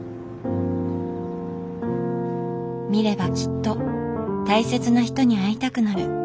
見ればきっと大切な人に会いたくなる。